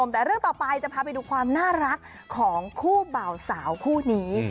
แต่เรื่องต่อไปจะพาไปดูความน่ารักของคู่เบาสาวคู่นี้